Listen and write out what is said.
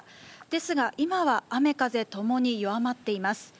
ですが今は、雨風ともに、弱まっています。